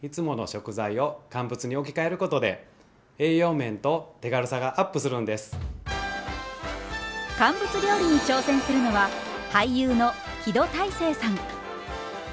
肉や魚など乾物料理に挑戦するのは俳優の木戸大聖さん。